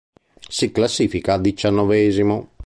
Si classifica diciannovesimo.